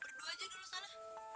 berdua aja dulu sana